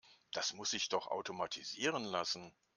Das muss sich doch automatisieren lassen.